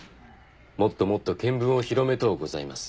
もっともっと見聞を広めとうございます。